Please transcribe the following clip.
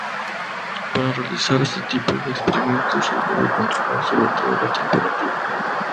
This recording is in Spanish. Para realizar este tipo de experimentos se debe controlar sobre todo la temperatura.